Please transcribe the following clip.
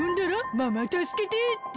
「ママたすけて」って。